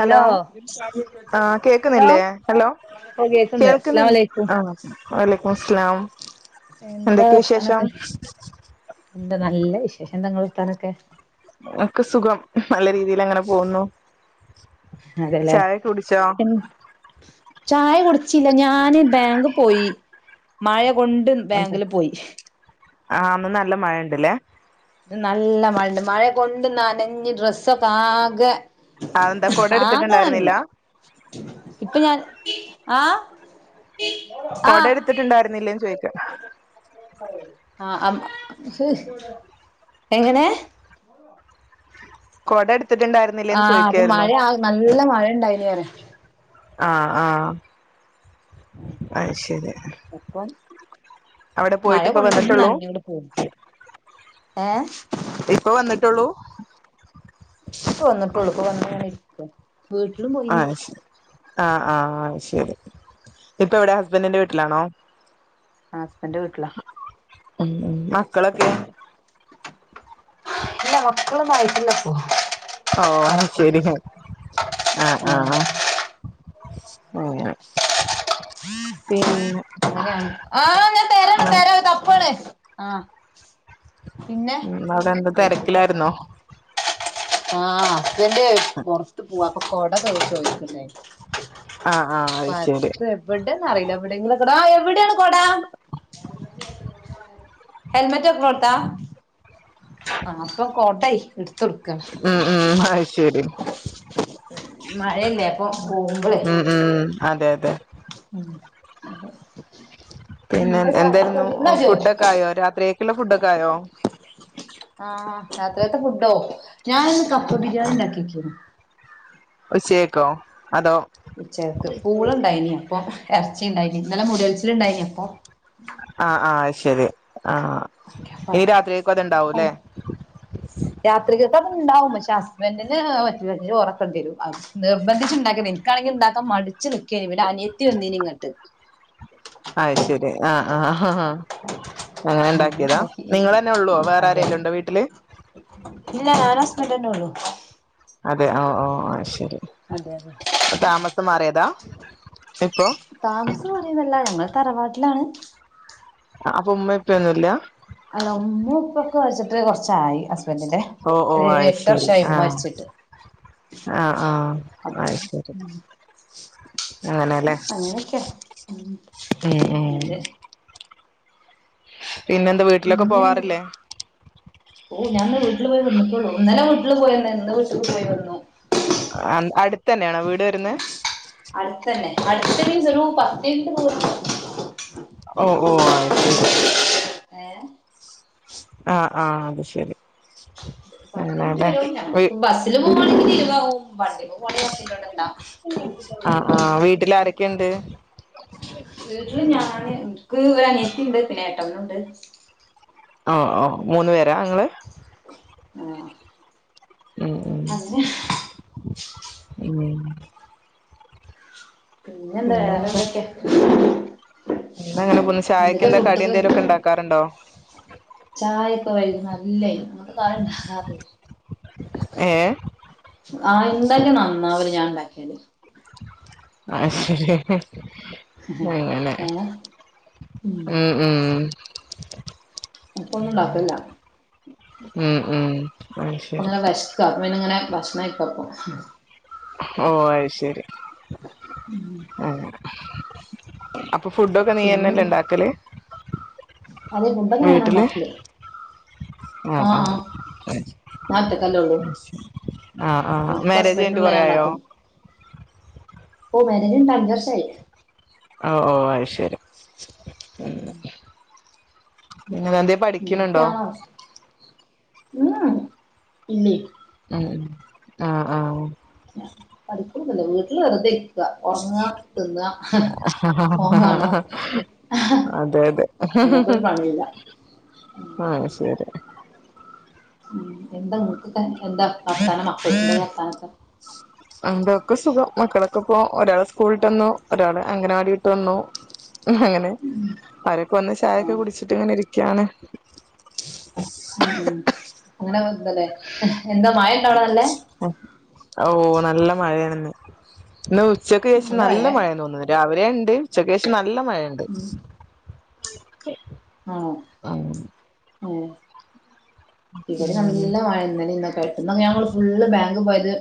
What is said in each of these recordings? Hello ആഹ് hello പ്പൊ കേക്ക്‌ണ്ട്. ആ വലെയ്ക്കുമുസ്സ്ലാം. എന്താ എന്തൊക്കെ വിശേഷം? വർത്താനൊക്കെ എന്താ നല്ല വിശേഷം. ന്താ ങ്ങളർത്താനൊക്കെ? ഒക്കെ സുഖം. നല്ല രീതിയിലങ്ങനെ പോകുന്നു. അതെല്ലേ ചായക്കെ കുടിച്ചോ? ഉം ചായ കുടിച്ചില്ല. ഞാന് ബാങ്ക് പോയി. മഴ കൊ ആഹ് ന്ന് നല്ല മഴണ്ട്ലേ? ഇന്ന് നല്ല മഴണ്ട്. മഴകൊണ്ട് നനഞ്ഞ് ഡ്രസ്സൊക്കെ ആകെ അഎന്താ ആകെ കൊടട്ത്ത്ട്ട്ണ്ടായിര്ന്നില്ല? നനഞ്ഞ് ഇപ്പൊ ഞാൻ. ആഹ് ആഹ് കൊടട്ത്ത്ട്ട്ണ്ടായിര്ന്നില്ലേന്ന് ചോ ആഹ്. അ.? എങ്ങനെ കൊടട്ത്ത്ട്ട്ണ്ടായ്ര് ആഹ്. അപ്പൊ മഴ നല്ല മഴണ്ടയ്നി. ആഹ് ആഹ്. അയ്ശരി. അപ്പം മഴ ഇപ്പ കൊണ്ട് വന്നിട്ടുള്ളൂ നൻഞ്ഞുണു. ഏഹ്. ഇപ്പൊ വന്നിട്ടുള്ളൂ? പ്പൊ വന്ന്ട്ടൊള്ളു. പ്പൊ വന്ന്ങ്ങനിര്ക്ക. ആഹ് ശ ആഹ് ആഹ് ശരി. ഇപ്പ എവിടെ ഹസ്ബൻറിന്റെ വീട്ടിലാണോ? ആഹ് ഹസ്ബൻഡ്ന്റെ വീട്ട്ലാ. ഉം മക്കളൊക്കെ? ഇല്ല. മക്കളൊന്നും ആയിട്ടില്ലപ്പൊ. ഓ ശരി ആഹ ആഹ പിന്ന അങ്ങനെയാണ് ആ ഞാൻ തര തരാ തപ്പാണ് ആഹ ഉം അവിടെ എന്ത് തിരക്കിലായിരുന്നോ ആഹ ഹുസ്ബൻഡ് പുറത്ത് പോവാ അപ്പൊ കൊട പോ ചോദിക്കുന്ന ആഹ് ആഹ് അത് ശരി പക്ഷേ എവിടെന്ന അറിയില്ല എവിടെയെങ്കിലും കൊടാ എവിടൊണ് കൊടാ ഹെൽമെറ്റ് ഒക്കെ കൊടുത്താ ആ അപ്പൊ കോട്യഎടുത്തോളു ഉംഹ് ഉംഹ് അയ്ശെരി മഴയല്ലേ അപ്പൊ മ് മ് അതെയതെ ഉംഹ് അതെ പിന്നെ എന്താ ചായക്ക് എന്തേയിരുന്നു കടി ന്നാജോ ഫുഡൊക്കായോ രാത്രിയേക്ക്‌ള്ള ഫുഡൊക്കായോ? ആ രാത്രിയത്തെ ഫുഡോ ഞാനിന്ന് കപ്പ ബിരിയാണിണ്ടാക്ക്യക്കേന്നു. ഉച്ചകേക്കോ അതോ? ഉച്ചകക്ക് പൂളണ്ടായിനി അപ്പൊ എറച്ചിണ്ടായീനി ഇന്നലെ മുടിയൽച്ചില്ണ്ടായീനിയപ്പം ആഹ് ആഹ അഹ്ശെരി ആഹാ ഇനി രാത്രിയേക്കും അത്ണ്ടാവുല്ലേ? രാത്രികക്കത്ണ്ടാവും പക്ഷെ ഹസ്ബന്റിന് അഹ് പറ്റൂല അയ്നി ചോറക്കെണ്ടിയെരും നിർബന്ധിച്ച്ണ്ടാക്കിയെന്നേനി ഇൻകാണെങ്കി ഇണ്ടാക്ക മടിച്ച് നിക്കേനി പിന്നെ അനിയത്തി വന്നീനിങ്ങെട്ട് അഹ്ശെരി ആഹ ആഹ് അങ്ങനെ അങ്ങനെണ്ടാക്കിയെതാ ഉണ്ടാക്കി നിങ്ങളെന്നെള്ളൊ അതെ വേറാരേലുണ്ടോ വീട്ടില്? ഇല്ല ഞാനും ഹസ്ബന്റെന്നൊള്ളു അതെ ഓ ഓ അഹ്ശെരി അതെ അതെ പ്പതാമസം മാറിയതാ ഇപ്പൊ താമസം മാറിയൊന്നുവല്ല ഞങ്ങള് തറവാട്ടിലാണ് അപ്പൊ ഉമ്മയുപ്പിയൊന്നുല്ല? അല്ല ഉമ്മപ്പൊക്കെ മര്ച്ചിട്ട് കൊർച്ചായി ഹസ്ബൻഡിന്റെ ഓ ഓ ഒരു അയ് ഏഴെട്ട് ശരി വർഷായി ഇമ്മ ആഹ് മര്ച്ചിട്ട് ആഹ് ആഹാ അയ്ശെരി അങ്ങനെലേ അങ്ങനെയൊക്കെയ ഉം ഉം അതെ പിന്നെന്താ? വീട്ടിലൊക്കെ പിന്നെന്ത് പോവാറില്ലേ ഓ ഞാന്ന് വീട്ടില് പോയി വെന്ന്ട്ടൊള്ളു ഇന്നലെ വീട്ട്ല് പോയെന്ന് ഇന്ന് വീട്ട്ക്ക് പോയി വെന്നു അട് അട്ത്തന്നെയാണോ വീട് വെരുന്നേ? അട്ത്തന്നെ അട്ത്ത് മീൻസ് ഒരുല പത്തിൻറ്റ് ദൂരെണ്ട് ഓഹ് ഓഹ് അയ്ശെരി ഏ ആഹ് ആഹ് അത്ശെരി പത്തിൻറ്റ് വെരും ഞങ്ങക്ക് ബസ്സില് പോവാണെങ്കില് ഇരുവതാവും വണ്ടിമ്മെ പോ വാണെങ്കി പത്തിൻറ്റോണ്ടെത്താം ആഹ് ആഹ് വീട്ടിൽ ആരൊക്കെയുണ്ട് വീട്ടില് ഞാന് ഇൻക്ക് ഒരനിയത്തിണ്ട് പിന്നെ ഏട്ടനുണ്ട്. ഓഹ് ഓഹ് മൂന്ന് പേരാ ഇങ്ങള്? ആഹ് ഉം ഉം അങ്ങനെ ഉം പിന്നെന്താ വേറെന്തെക്കെ? എന്താ അങ്ങനെപോണ് ചായക്കെന്താ ഫുഡൊക്കെ കടിയെന്തേലൊക്കെ ഇണ്ടാക്കാറ്ണ്ടോ? ചായൊക്കെ വൈകുന്നേ ഇല്ലേ അങ്ങൻത്തെ കടിയൊന്ന്ണ്ടാക്കാറില്ല. ഏഹേ? ആഹ് എന്തായാലും നന്നാവൂല ഞാ ഇണ്ടാക്കിയാല് അഹ്ശെരി അങ്ങനെ ഏ ഉം ഉം അപ്പൊന്നുണ്ടാക്കേല്ല. ഉം ഉം അത് ശരി ഇപ്പെങ്ങനെ വെശ്ക്കാ അപ്പ പിന്നെങ്ങനെ ഭക്ഷണം കഴിക്കാപ്പം ഓ അഹ്ശെരി അങ്ങനെ അപ്പൊ ഫുഡൊക്കെ പിന്നെ നീയന്നെല്ലെണ്ടാക്കല്? അതെ ഫുഡൊക്കെ വീട്ടില് ഞാനാണ്ടാക്കല് ആഹ് ആഹ് ഞാ ഒറ്റക്കല്ലൊള്ളൂ ആഹ് ആഹ് ഇൻക്കും മാരേജ് കഴിഞ്ഞിട്ട് ഹസ്ബന്റിനുള്ളെ കൊറേ ആയോ ഞാണ്ടാകും ഓഹ് മേരേജ് കഴിഞ്ഞിട്ട് അഞ്ച് വർഷായി ഓഹ് ഓഹ് അഹ് ശരി [unintelligible] [unintelligible] ഇല്ലേ ഉം ആഹ് ആഹ് പഠിക്കന്നല്ല വീട്ടില് വെറുതെ ഇ ഉറങ്ങാ തിന്ന ഫോൺ കാണ ആഹ് അതെ അതെ അല്ലാപ്പ പണിയില്ല [unintelligible] [unintelligible] എന്തൊക്കെ സുഖം മക്കളൊക്കെ ഓരാള സ്കൂളിട്ടന്നു ഒരാള് അങ്ങനവാടിയിട്ട് വന്നു അങ്ങനെ അവരൊക്കെ വന്ന് ചായൊക്കെ ആഹ് കുടിച്ചിട്ട് ഇങ്ങനെ ഇരിക്കയാണ് ഉം അങ്ങനെന്തല്ലേ എന്താ മഴ ഉണ്ടോ നല്ലേ ആഹ് ഓഹ് നല്ല മഴയാണന്ന് ഇന്ന് ഉച്ചക്ക ശേഷം നല്ല മഴണ് തോന്നുന്നത് രാവിലെ ഉണ്ട് ഉച്ചക്ക് ശേഷം നല്ല മഴയുണ്ട് ആഹ് ഉം ഏഹ് ഇവിടെ നല്ല മഴ ഇന്നല ഇന്നൊക്കെ ആയിട്ട് ഇന്ന് കായ് ഞങ്ങൾ ഫുള്ള് ബാങ്ക് പോയത്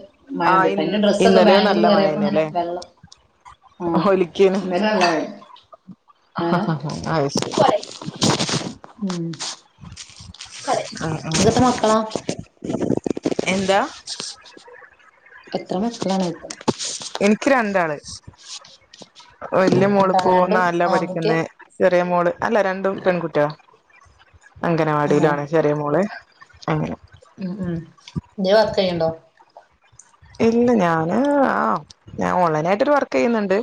ആ ഇ മഴംണ്ടിട്ട ഇന്റെ ഡ്രസ്സൊക്കെ ഇന്നലെയോ ബാങ്കിൽ നല്ല കേയറിയപ്പോ ഇങ്ങനെ മഴേനല്ലേ വെള്ളം ആഹ് ഇവിടെ നല്ല മഴ ആയിഷ് ഉം ആഹ് ഇങ്ങക് എത്ര മക്കളാ എന്താ എത്ര മക്കള്ളാ എനിക്ക് രണ്ടാള് വല്യ മോൾ രണ്ടാളോ ഇപ്പോ രണ്ടും നാലിൽ ആണ് പഠിക്കുന്ന ആൺകുട്ട്യാ ചെറിയ മോള് അല്ല രണ്ടും പെൺകുട്ടിൾ അംഗനവാടിയില ആഹ് ആൺ. ചെറിയ മോളെ അങ്ങനെ ഉം ഉം ഇ വർക്ക് ചെയ്യണ്ടോ ഇല്ല ഞാന് ആ ഞാൻ ഓൺലൈൻ ആയിട്ടൊരു വർക്ക് ചെയ്യുന്നുണ്ട്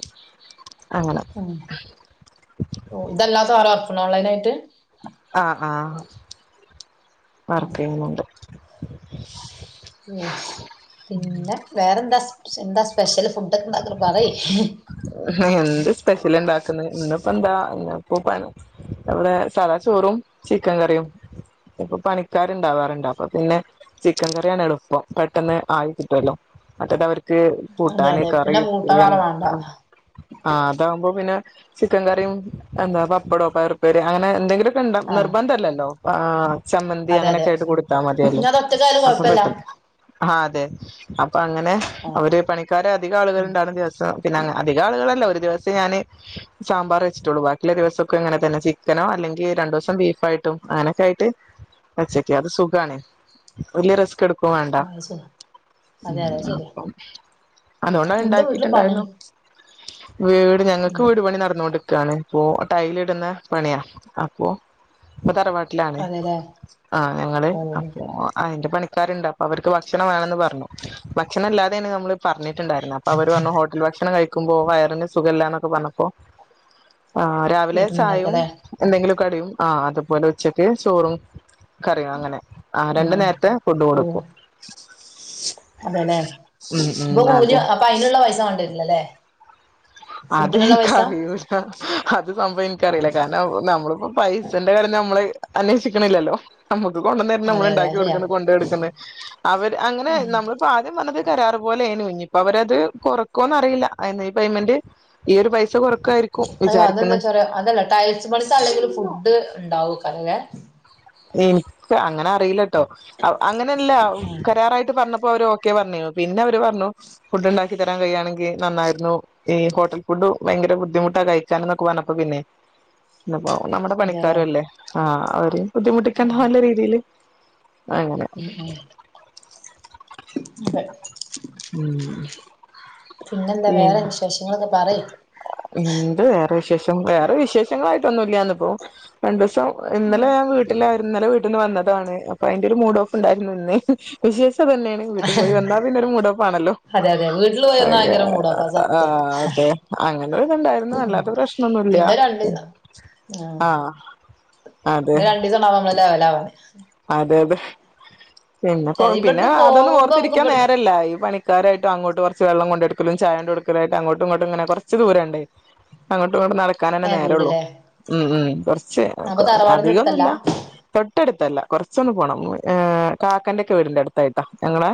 അങ്ങനെ ഉം ഓഹ് ഇതല്ലാത്ത വേറെ വർക്ക്‌ ഉണ്ടോ ഓൺലൈൻ ആയിട്ട് ആഹ് ആഹ് വർക്ക് ചെയ്യുന്നുണ്ട് ഓഹ് പിന്നെ വേറെന്താ എന്താ സ്പെഷ്യൽ ഫുഡ ഒക്കെ ഉണ്ടാക്കറ് പറി എന്ത് സ്പെഷ്യൽ ഉണ്ടാക്കുന്നത് ഇന്നിപ്പോ എന്താ നമ്മളാ സദാ ചോറും ചിക്കൻ കറിയും ഇപ്പൊ പണിക്കാരുണ്ടാവാറുണ്ട് അപ്പൊ പിന്നെ ചിക്കൻ കറിയാണ് എളുപ്പം പെട്ടെന്ന് ആയി കിട്ടുല്ലോ മറ്റേത് അവർക്ക് ഏഹ് അതെ കൂട്ടാന് അതെ കറി പിന്നെ കൂട്ടാൻ വേറെ വേണ്ട ആഹ് അതകുമ്പോ പിന്നെ ചിക്കൻ കറിയും എന്താ പപ്പടോ പയറു ഉപ്പേരിയോ അങ്ങനെ എന്താക്കിലും ണ്ട ആ നിർബന്ധല്ലല്ലോ ആഹ് ചമ്മന്തി അതെ അതെ അങ്ങനെയൊക്കെ ആയിട്ട് കൊടുത്താ മതിയല്ലോ ഇനി അത് ഒറ്റക്കായാലും അപ്പൊ കൊഴപ്പല്ല പെട്ടെന്ന് ആഹ് അതെ അപ്പൊ അങ്ങനെ ആ അവര് പണിക്കാര് അധികം ഉം ആളുകൾണ്ടാണ് ദിവസം പിന്നെ അധിക ആളുകളല്ല ഒരു ദിവസം ഞാന് സാമ്പാറ് വെച്ചിട്ടുള്ളൂ ബാക്കിലെ ദിവസക്കെ ഇങ്ങനെ തന്നെ ചിക്കനോ അല്ലെങ്കി രണ്ട് ദിവസം ബീഫ ആയിട്ട് അങ്ങനൊക്കെ ആയിട്ട് അച്ചക്ക അത് സുഖാണ് വല്യ റിസ്ക്ക് ക്കും വാണ്ട ആ, അത് സുഖ അതെ അതെ ശരിയാ അപ്പം അതുകൊണ്ട എന്താ വീട്ടില് പണി ഉണ്ടാക്കിട്ടുണ്ടായിരുന്നു. വീട് ഞങ്ങക്ക് ഇത്. വീട് പണി നടന്നോണ്ട് ക്കാണ് ഇപ്പോ ടൈൽ ഇടുന്ന പണിയാ അപ്പോ ഇപ്പ തറവാട് ട്ടിലാണ് അതെല്ലേ ഞങ്ങള് ഓ അപ്പോ അയ്ന്റെ പണിക്കാരുണ്ടാവും അവർക്ക് ഭക്ഷണം വേണെന്ന് പറഞ്ഞു ഭക്ഷണല്ലാതെന്നു നമ്മള് പറഞ്ഞിട്ടുണ്ടായിരുന്നേ അപ്പൊ അവര് പറഞ്ഞു ഹോട്ടൽ ഭക്ഷ ഭക്ഷണം കഴിക്കുമ്പോ വയറിന് സുഖല്ലാന്നൊക്കെ പർഞ്ഞപ്പോ രാവിലെ ചായും വീട്ടിന്നുണ്ടാക്കല്ലേ എന്തെങ്കിലും കടിയും ആഹ് അതുപോലെ ഉച്ചക്ക് ചോറും കറിയ അങ്ങനെ ആഹ് ഉം രണ്ട് ഉം നേരത്തെ ഫുഡ് ഓ കൊടുക്കും. അതെല്ലേ ഉം ഉം പ്പൊ പൂലി അതെ അപ്പ അയിന്ള്ള പൈസ മാണ്ട്യര്ലല്ലേ? അത്ൻക്കറിയൂല അത് സംഭവം ഏ, ഇൻക്കറീല കാരണം നമ്മളിപ്പം പൈസന്റെ കാര്യം നമ്മള് അന്വേഷിക്കണില്ലല്ലോ. നമ്മക്ക് കൊണ്ടന്നര്ണ് അതെ നമ്മള് അതെ ണ്ടാക്കി അത് ശരിയാ കൊടുക്ക്ന്ന് കൊണ്ടയി ട്ക്ക്ന്ന്. അവര് അങ്ങനെ ഉം നമ്മള് പ്പൊ ആദ്യം വന്നത് കരാറ് പോലെയിനു ഇഞ്ഞിപ്പോ അവരത് കൊറക്കോന്ന് അറിയില്ല. അയ്ന്ന് ഈ പെയ്മെന്റ് ഈ ഒരു പൈസ കൊറ അല്ല അതന്താ വെച്ചാ അതല്ല ടൈൽസ് പണിക്ക് അല്ലെങ്കിൽ ഫുഡ് ണ്ടാവുക്കാരല്ലേ? എനിക്ക് അങ്ങനെ അറിയില്ലട്ടോ അങ്ങനെയല്ല ആ കരാറായിട്ട് പർഞ്ഞ ഓര് ഓക്കെ പർഞ്ഞ് പിന്നെ അവര് പർഞ്ഞു ഫുഡ് ണ്ടാക്കി തരാൻ കഴിയാണെങ്കി നന്നായിരുന്നു. ഈ ഹോട്ടൽ ഫുഡ് ഭയങ്കര ബുദ്ധിമുട്ടാ കഴിക്കാൻ ന്ന് പർഞ്ഞപ്പോ പിന്നെ [unintelligible] നമ്മുടെ അതെല്ലേ പണിക്കാര് അല്ലേ ആഹ് അവര് ആ ബുദ്ധിമുട്ടിക്കണ്ടാന്ന രീതിൽ ഉം ഉം അതെ ഉം പിന്നെന്താ പിന്നെ വേറെ വിശേഷങ്ങളൊക്കെ പറി? എന്ത് വേറെ വിശേഷം വേറെ വിശേ ങ്ങളായിട്ടൊന്നും ഇല്ലാന്ന്പ്പോ രണ്ട് സം ഇന്നലെ ഞാൻ വീട്ടിലായിരുന്നു ഇന്നലെ വീ വന്നതാണ് അപ്പ അയിന്റെ ഒരു മൂഡ് ഓഫ് ണ്ടായിരുന്നുന്ന്. വിശേഷം അതന്നെയാണ് വീട്ട് പോയി വന്നാ പിന്നെ ഒരു മുടോഫാണല്ലോ അതെ അതെ വീട്ടിൽ പോയി നിന്നാ അങ്ങനെ. ഭയങ്കര മൂഡ് ഓഫാ സത്യാ ആഹ് അതെ അങ്ങനെ ഇത് ഇണ്ടായിരുന്നു അല്ലാത്ത പ്രശ്നൊന്നുല്ല. ആഹ് രണ്ട് സണ്ടാവും നമ്മള് ലെവലാവാൻ. അതെബെ പിന്നെ അതെ പ്പം പിന്നെ ഇവിടുന്ന് അതൊന്നും പോകുമ്പോ നമുക്ക് ഓർത്തിരിക്കാൻ ഇവിടുന്ന് നേരല്ല ഈ പണി ക്കാരായിട്ട് അങ്ങോട്ട് കൊർച്ച് വെള്ള കൊണ്ടടുക്കലും ചായണ്ടൊട്ക്കലായിട്ട് അങ്ങോട്ടും ങ്ങോട്ടും ഇങ്ങനെ കൊർച്ച് ദൂര ണ്ട്. അങ്ങോട്ടും ഇങ്ങോട്ടും നട കാനന്നെ ഏ നേരേള്ളൂ വീട്ല്ലേ ഉം ഉം കൊർച്ച് അപ്പൊ തറവാടിന്റെ അടുത്തല്ല അധികന്നുല്ല തൊട്ടടുത്തല്ല. കൊറച്ചൊന്ന് പോണം ഏഹ് കാക്കന്റെ ക്കെ വീടിന്റെ അട്ത്തായിട്ടാ ഞങ്ങളെ.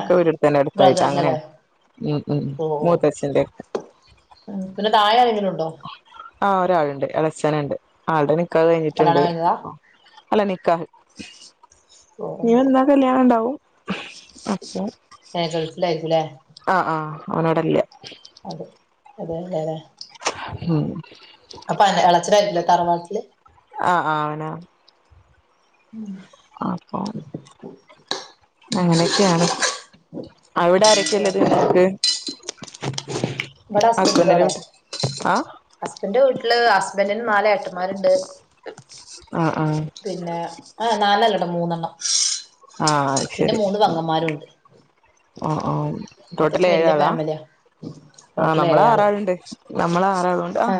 ആ വീട് ട്ത്തന്നെ അട്ത്തായിട്ട അങ്ങനെ ബ്രദറിന്റെല്ലേ ഉം ഉം മൂത്തച്ഛന്റെ ക്കെ. ആഹ് പിന്നെ താഴെ ആരങ്കിലും ണ്ടോ? ആഹ് ഒരാള്ണ്ട് എളച്ചന്ണ്ട് ആളുടെ നിക്കാഹ് കല്യാണം കഴിഞ്ഞിട്ടുണ്ട് കഴിഞ്ഞതാ അല്ല നിക്കാഹ്. ഓ ഇനി വെന്നാ കല്യാണം ണ്ടാവും അപ്പൊ ഏഹ് ഗൾഫിൽ ആയിരിക്കൂലേ? ആഹ് ആഹ് അവന്വ്ടല്ല്യ. അതെ അതെന്നെല്ലേ? ഉം അപ്പ എളച്ചനായിരിക്കുലേ തറവാട്ടില്? ആഹ് ആഹ് ആന് ഉം അപ്പോ അങ്ങനെക്കെയാണ് അഒടെ ആരൊക്കെയില്ലത് നിങ്ങക്ക്? ബ്ടെ ഹസ്ബൻഡിന്റെ ഹസ്ബന്റിൻ്റോടെ വീട്ടി ആഹ് ഹസ്ബന്റ് വീട്ട്ല് ഹസ്ബന്റ്ന് നാല് ഏട്ടന്മാരുണ്ട്. ആഹ് ആഹ് പിന്നെ ആഹ് നാലല്ലട്ടൊ മൂന്നണ്ണം. ആഹ് പിന്നെ ശരി മൂന്ന് പെങ്ങന്മാരുണ്ട്. ആഹ് ആഹ് ട്ടോട്ടൽ അത്യാവശ്യം വല്യ ഏഴാളാ? ഫാമിലിയാ ആഹ് ടോട്ടൽ നമ്മള് ഏഴാള് ആറാള്ണ്ട് നമ്മള ആറാളുംണ്ട് ആഹ്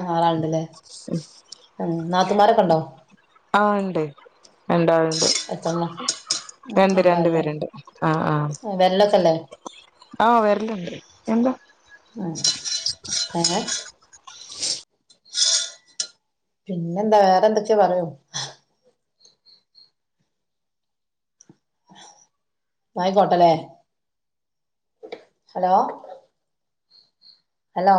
ഉം ഏഹ് നാത്തൂമാരൊക്കെ ണ്ടോ? ആഹ് ഇണ്ട് രണ്ടാള് എത്രണ്ണം ഉം രണ്ട് രണ്ട് ഉണ്ടാവല്ലേ പേര്ണ്ട് ആഹ് ആഹ്. വരലൊക്കെല്ലേ ആഹ് വരല്ണ്ട് എന്താ ഏ [inaudible] പിന്നെ എന്താ വേറെ എന്തക്കെയാ പറയൂ ആയിക്കോട്ടല്ലേ ഹലോ ഹലോ